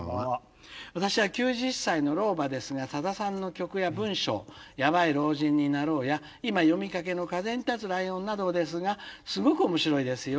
「私は９０歳の老婆ですがさださんの曲や文章『やばい老人になろう』や今読みかけの『風に立つライオン』などですがすごく面白いですよ」。